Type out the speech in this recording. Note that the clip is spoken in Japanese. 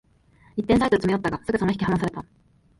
一点差へと詰め寄ったが、すぐさま引き離された